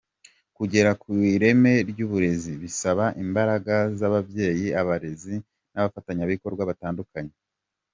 Kugera ku ireme ry’uburezi bisaba imbaraga z’ababyeyi, abarezi, n’abafatanyabikorwa batandukanye.